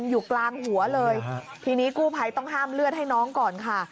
อยู่กลางหัวเลยทีนี้กู้ภัยต้องห้ามเลือดให้น้องก่อนค่ะ